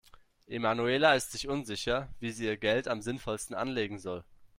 Emanuela ist sich unsicher, wie sie ihr Geld am sinnvollsten anlegen soll.